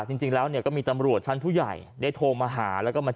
จริงแล้วเนี่ยก็มีตำรวจชั้นผู้ใหญ่ได้โทรมาหาแล้วก็มา